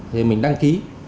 thì mình đăng ký